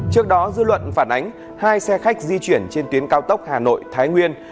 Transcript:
trước đó dư luận phản ánh hai xe khách di chuyển trên tuyến cao tốc hà nội thái nguyên